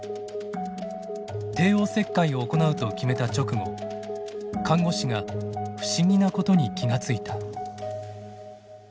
帝王切開を行うと決めた直後看護師が不思議なことに気が付いた。